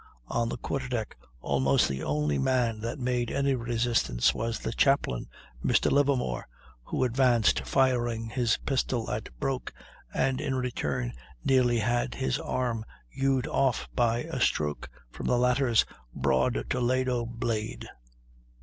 On the quarter deck almost the only man that made any resistance was the chaplain, Mr. Livermore, who advanced, firing his pistol at Broke, and in return nearly had his arm hewed off by a stroke from the latter's broad Toledo blade.